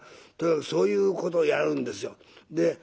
とにかくそういうことをやるんですよ。